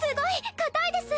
硬いです！